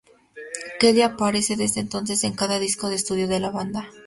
Kelly aparece desde entonces en cada disco de estudio de la banda.